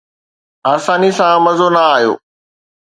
آسانيءَ سان مزو نه آيو